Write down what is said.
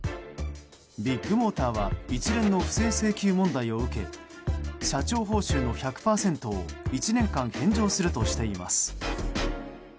ビッグモーターは一連の不正請求問題を受け社長報酬の１００％を１年間返上するとしています。